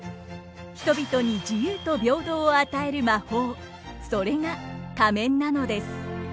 人々に自由と平等を与える魔法それが仮面なのです。